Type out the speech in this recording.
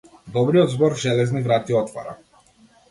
Добриот збор железни врати отвара.